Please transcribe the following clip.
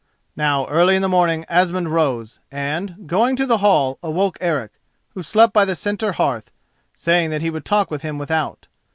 Now, early in the morning Asmund rose, and, going to the hall, awoke Eric, who slept by the centre hearth, saying that he would talk with him without.